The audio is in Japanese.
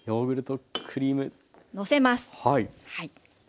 のせます。